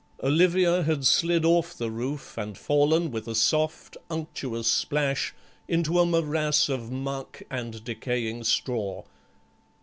Olivia had slid off the roof and fallen with a soft, unctuous splash into a morass of muck and decaying straw.